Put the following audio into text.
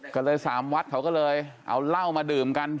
ก็เลยสามวัดเขาก็เลยเอาเหล้ามาดื่มกัน